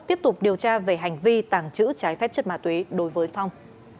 tiếp tục điều tra về hành vi tàng trữ trái phép chất mà tuỷ đối với phong